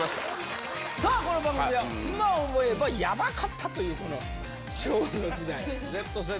さあ、この番組では、今思えばやばかったというこの昭和の時代。